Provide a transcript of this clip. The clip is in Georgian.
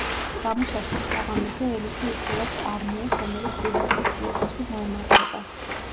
გამოსაშვებ საღამოზე ელისი იხილავს არმიას რომელიც პირდაპირ სიეტლში მოემართება.